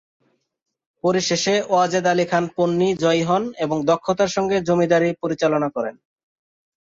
পরিশেষে ওয়াজেদ আলী খান পন্নী জয়ী হন এবং দক্ষতার সঙ্গে জমিদারি পরিচালনা করেন।